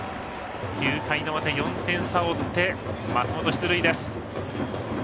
９回の表、４点差を追って松本、出塁です。